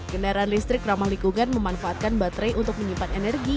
kendaraan listrik ramah lingkungan memanfaatkan baterai untuk menyimpan energi